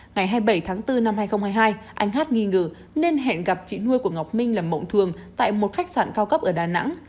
ngày hai mươi bảy tháng bốn năm hai nghìn hai mươi hai anh hát nghi ngờ nên hẹn gặp chị nuôi của ngọc minh làm mộng thường tại một khách sạn cao cấp ở đà nẵng